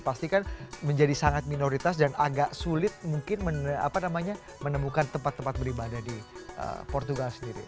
pastikan menjadi sangat minoritas dan agak sulit mungkin menemukan tempat tempat beribadah di portugal sendiri